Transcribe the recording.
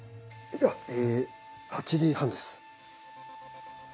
え８時半です。